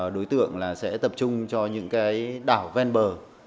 đối tượng là sẽ tập trung cho những cái đảo ven bờ